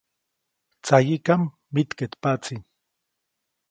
Tsayiʼkam mitkeʼtpaʼtsi.